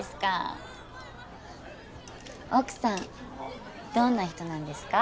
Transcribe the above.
奥さんどんな人なんですか？